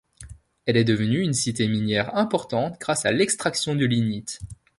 Elle est devenue une cité minière importante grâce à l'extraction du lignite.